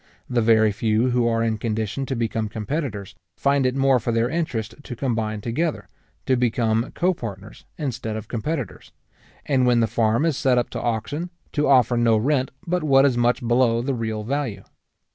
The very few who are in condition to become competitors, find it more for their interest to combine together; to become copartners, instead of competitors; and, when the farm is set up to auction, to offer no rent but what is much below the real value.